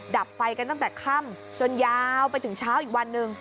ดับไฟกันตั้งแต่ค่ำจนยาวไปถึงเช้าอีกวันหนึ่ง